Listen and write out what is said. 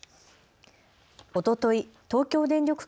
おととい東京電力